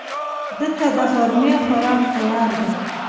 د تا دغرمې خوراک تیار ده